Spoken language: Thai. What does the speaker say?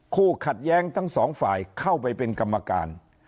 คู่ขัดแย้งทั้งสองฝ่ายเข้าไปเป็นกรรมการ